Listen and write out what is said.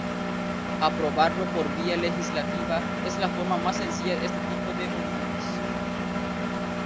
Aprobarlo por vía legislativa es la forma más sencilla este tipo de uniones.